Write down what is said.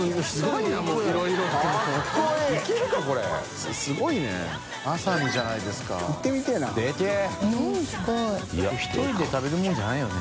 これ１人で食べるもんじゃないよね。